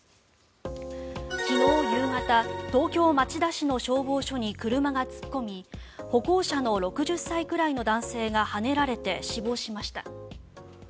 昨日夕方、東京・町田市の消防署に車が突っ込み歩行者の６０歳くらいの男性がはねられて死亡しました。